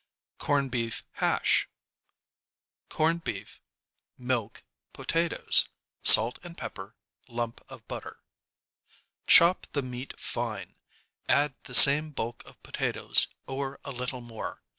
=Corn Beef Hash= Corned Beef Milk Potatoes Salt and Pepper Lump of Butter Chop the meat fine, add the same bulk of potatoes or a little more.